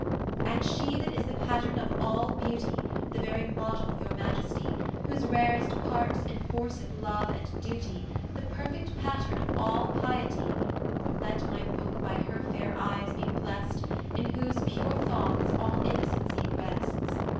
And she that is the patterne of all Beautie, The very modell of your Maiestie, Whose rarest parts enforceth Loue and Duty, The perfect patterne of all Pietie: O let my Booke by her faire eies be blest, In whose pure thoughts all Innocency rests.